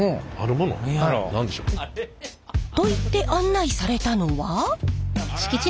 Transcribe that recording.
何やろ？と言って案内されたのは。